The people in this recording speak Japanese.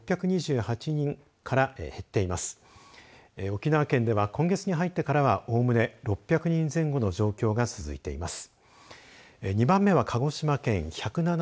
沖縄県は今月に入ってからはおおむね６００人前後の状況が続いています。